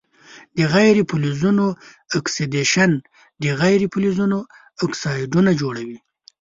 د غیر فلزونو اکسیدیشن د غیر فلزونو اکسایدونه جوړوي.